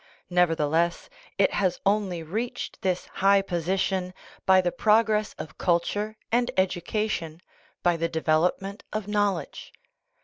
Nevertheless, it has only reached this high position by the progress of culture and education, by the develop ment of knowledge.